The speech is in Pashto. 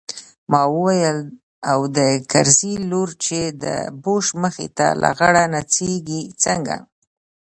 ما وويل او د کرزي لور چې د بوش مخې ته لغړه نڅېږي څنګه.